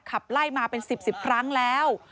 ขับไล่มาเป็น๑๐ครั้งแล้ว